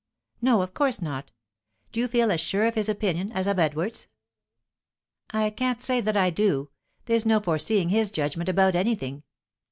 "No, of course not. Do you feel as sure of his opinion as of Edward's?" "I can't say that I do. There's no foreseeing his judgment about anything.